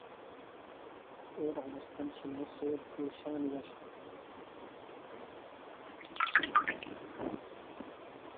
এর অবস্থান ছিল সৈয়দপুর সেনানিবাসে।